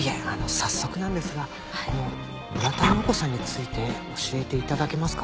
早速なんですがこの浦田陽子さんについて教えて頂けますか？